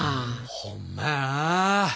ほんまやな。